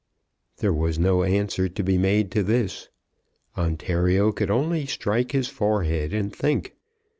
There was no answer to be made to this. Ontario could only strike his forehead and think.